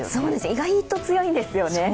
意外と強いんですよね。